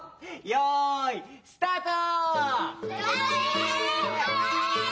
よいスタート！